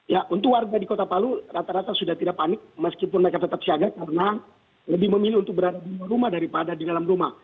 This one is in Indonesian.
ya untuk warga di kota palu rata rata sudah tidak panik meskipun mereka tetap siaga karena lebih memilih untuk berada di luar rumah daripada di dalam rumah